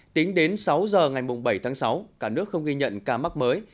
tính đến sáu giờ ngày bảy tháng sáu cả nước không ghi nhận ca mắc mới